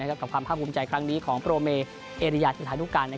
กับความภาคภูมิใจครั้งนี้ของโปรเมเอริยาจุธานุการ